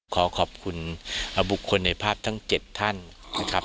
ขอขอบคุณบุคคลในภาพทั้ง๗ท่านนะครับ